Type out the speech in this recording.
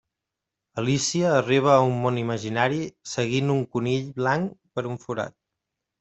Alícia arriba a un món imaginari seguint un conill blanc per un forat.